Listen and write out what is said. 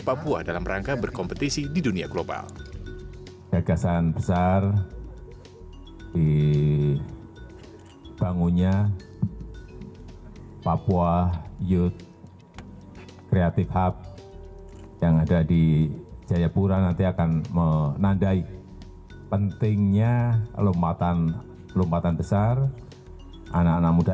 papua muda inspiratif itu betul betul